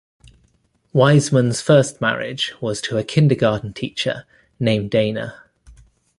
Wiseman's first marriage was to a kindergarten teacher named Dana.